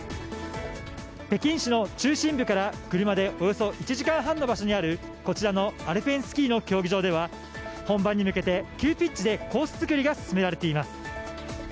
北京市の中心部から車でおよそ１時間半の場所にあるこちらのアルペンスキーの競技場では本番に向けて急ピッチでコース作りが進められています。